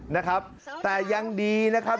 นะครับแต่ยังดีนะครับ